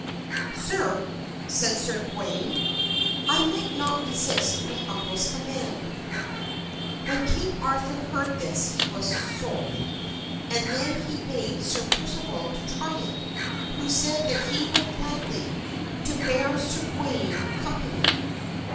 "Sir," said Sir Gawain, "I might not resist my uncle's command." When King Arthur heard this he was sorry, and then he bade Sir Percival try it, who said that he would gladly, to bear Sir Gawain company.